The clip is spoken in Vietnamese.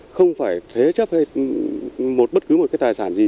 không phải thế chấp hay một bất cứ một cái tài sản gì